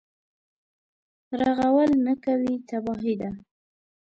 رغول نه کوي تباهي ده.